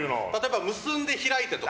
「結んで開いて」とか。